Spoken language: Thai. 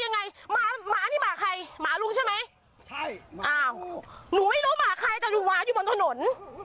หนูไม่รู้หมาใครแต่หนูวาอยู่บนถนน